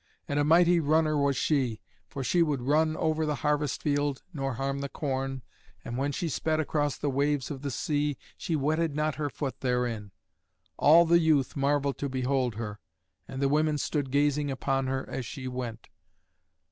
And a mighty runner was she, for she would run over the harvest field nor harm the corn, and when she sped across the waves of the sea she wetted not her foot therein. All the youth marvelled to behold her, and the women stood gazing upon her as she went.